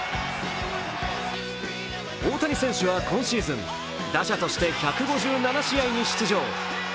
大谷選手は今シーズン打者として１５７試合に出場。